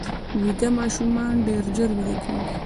ویده ماشومان ډېر ژر ویده کېږي